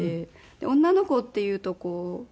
女の子っていうとこう。